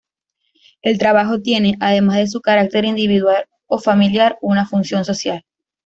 El trabajo tiene, además de su carácter individual o familiar, una función social.